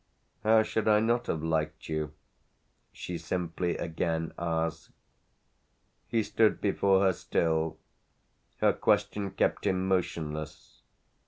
"How should I not have liked you?" she simply again asked. He stood before her still her question kept him motionless.